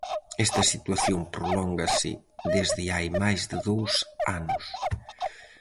Esta situación prolóngase desde hai máis de dous anos.